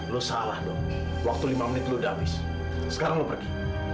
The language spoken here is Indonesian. lo salah dong waktu lima menit lu udah habis sekarang lo pergi